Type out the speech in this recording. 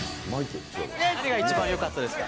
何が一番よかったですか？